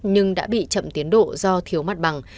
nhưng đã bị chậm tiến độ do thiếu mặt bằng